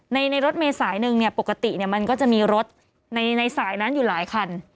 ในรถเมษายหนึ่งเนี่ยปกติมันก็จะมีรถในสายนั้นอยู่หลายคัน